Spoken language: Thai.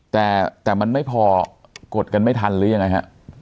แต่แต่มันไม่พอกดกันไม่ทันหรือยังไงฮะ